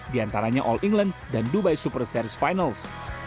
di antaranya all england dan dubai super series finals